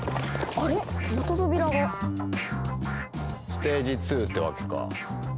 ステージ２ってわけか。